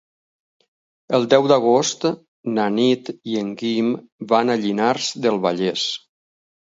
El deu d'agost na Nit i en Guim van a Llinars del Vallès.